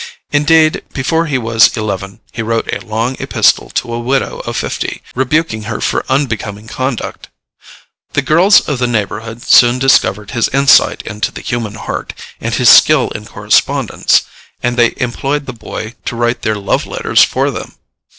Indeed, before he was eleven, he wrote a long epistle to a widow of fifty, rebuking her for unbecoming conduct. The girls of the neighborhood soon discovered his insight into the human heart, and his skill in correspondence, and they employed the boy to write their love letters for them.